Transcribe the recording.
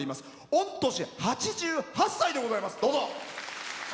御年８８歳でございます。